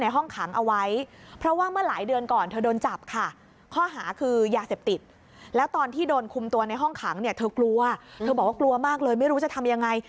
ห้องขังเธอกลัวเธอบอกว่ากลัวมากเลยไม่รู้จะทำยังไง